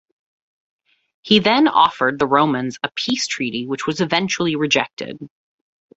He then offered the Romans a peace treaty which was eventually rejected.